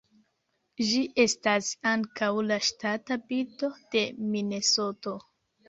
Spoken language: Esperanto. Ĝi estas ankaŭ la ŝtata birdo de Minesoto.